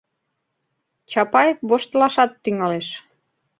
Чапаев воштылашат тӱҥалеш.